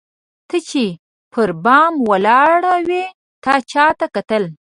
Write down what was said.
ته چي پر بام ولاړه وې تا چاته کتل؟